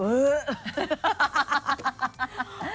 เอ๊ะ